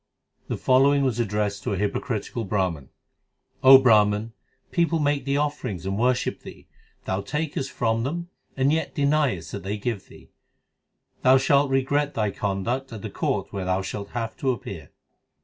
The following was addressed to a hypocritical Brahman : O Brahman, people make thee offerings and* worship thee Thou takest from them and yetdeniest that they give thee. Thou shalt regret thy conduct at the Court Where thou shalt have to appear.